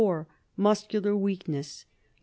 Muscular weakness. 5.